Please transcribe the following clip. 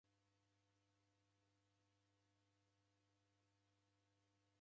Kusefushe w'ambenyu w'uaya.